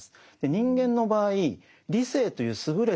人間の場合理性という優れた能力